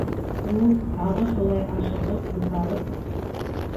Ул, тағы шулай ашығып, буталып: